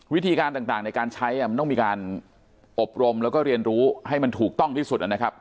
วิธีการต่างในการใช้มันต้องมีการอบรมแล้วก็เรียนรู้ให้มันถูกต้องที่สุดนะครับ